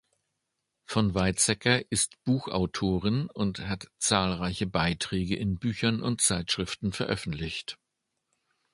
Von Weizsäcker ist Buchautorin und hat zahlreiche Beiträge in Büchern und Zeitschriften veröffentlicht.